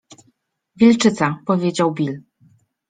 - Wilczyca - powiedział Bill.